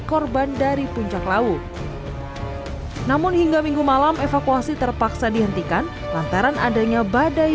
korban dari puncak lawu namun hingga minggu malam evakuasi terpaksa dihentikan lantaran adanya badai